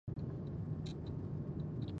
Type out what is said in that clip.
ایا په سفر تللي وئ؟